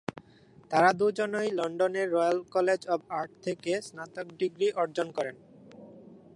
তারা দুজনেই লন্ডনের রয়্যাল কলেজ অব আর্ট থেকে স্নাতক ডিগ্রি অর্জন করেন।